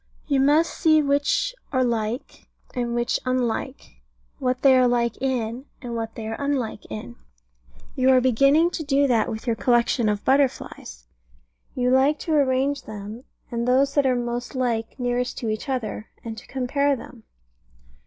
You must see which are like, and which unlike; what they are like in, and what they are unlike in. You are beginning to do that with your collection of butterflies. You like to arrange them, and those that are most like nearest to each other, and to compare them.